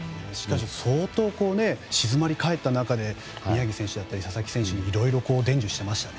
相当、静まり返った中で宮城選手だったり佐々木選手にいろいろ伝授していましたね。